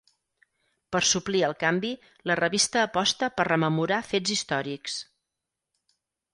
Per suplir el canvi, la revista aposta per rememorar fets històrics.